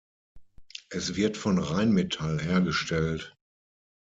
Es wird von Rheinmetall hergestellt.